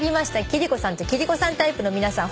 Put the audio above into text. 貴理子さんと貴理子さんタイプの皆さん